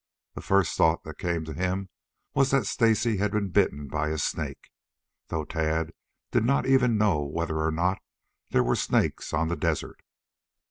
The first thought that came to him was that Stacy had been bitten by a snake, though Tad did not even know whether or not there were snakes on the desert.